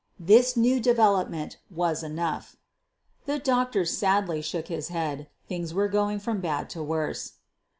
This new development was enough. The doctor sadly shook his head. Things were going from bad to worse.